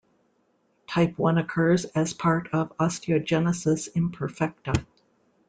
Type One occurs as part of osteogenesis imperfecta.